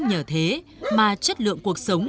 nhờ thế mà chất lượng cuộc sống